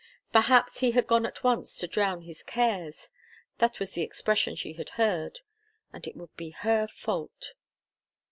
Perhaps he had gone at once to drown his cares that was the expression she had heard and it would be her fault.